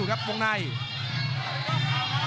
คมทุกลูกจริงครับโอ้โห